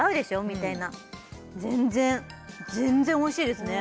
みたいな全然全然おいしいですね